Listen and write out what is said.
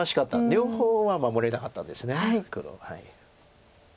両方は守れなかったんです黒。